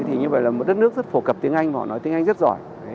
thì như vậy là một đất nước rất phổ cập tiếng anh họ nói tiếng anh rất giỏi